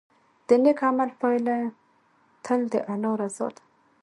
د نیک عمل پایله تل د الله رضا ده.